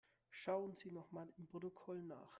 Schauen Sie nochmal im Protokoll nach.